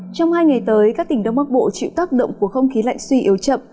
trong hai ngày tới các tỉnh đông bắc bộ chịu tác động của không khí lạnh suy yếu chậm